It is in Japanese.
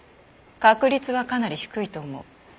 確率はかなり低いと思う。